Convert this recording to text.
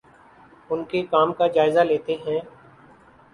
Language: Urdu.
اُن کے کام کا جائزہ لیتے ہیں